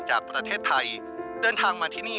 จากประเทศไทยเดินทางมาที่นี่